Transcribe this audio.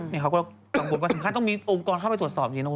เนี่ยเขาก็ต้องมีองค์กรเข้าไปตรวจสอบจริงนะ